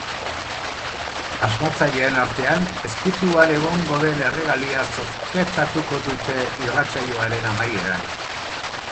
Asmatzaileen artean ezkutuan egongo den erregalia zozketatuko dute irratsaioaren amaieran.